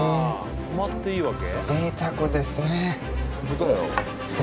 泊まっていいわけ？